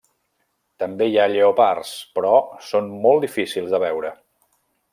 També hi ha lleopards, però són molt difícils de veure.